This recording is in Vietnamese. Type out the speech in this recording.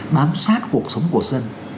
bám sát cuộc sống của dân